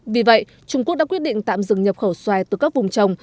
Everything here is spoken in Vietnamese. vì vậy trung quốc đã quyết định tạm dừng nhập khẩu xoài từ các vùng trồng